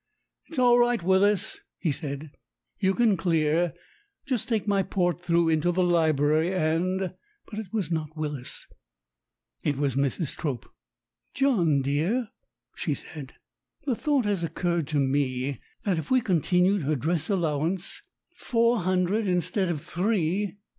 "It's all right, Willis," he said, "you can clear. Just take my port through into the library, and " But it was not Willis ; it was Mrs. Trope. "John dear," she said, "the thought has occurred to me that if we continued her dress allowance " "Four hundred instead of three.